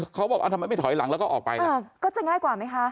เขาบอกทำไมไม่ถอยหลังแล้วก็ออกไปก็จะง่ายกว่าไหมคะ